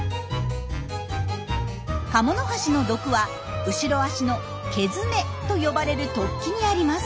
カモノハシの毒は後ろ足の「ケヅメ」と呼ばれる突起にあります。